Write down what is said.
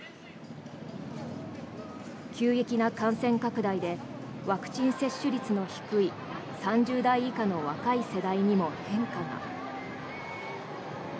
急激な感染拡大でワクチン接種率の低い３０代以下の若い世代にも変化が。